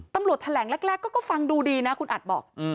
ตำรวจแถลงแรกก็ฟังดูดีนะคุณอัดบอก